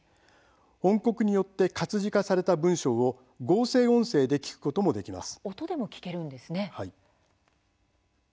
翻刻によって活字化された文章を合成音声で聞くこともできます。